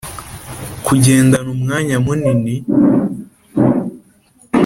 kugendana umwanya munini